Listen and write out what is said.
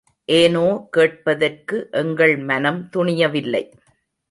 ஏனோ கேட்பதற்கு எங்கள் மனம் துணியவில்லை.